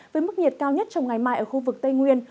với mức nhiệt cao nhất trong ngày mai ở khu vực tây nguyên